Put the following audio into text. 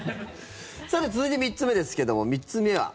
さて、続いて３つ目ですけども３つ目は。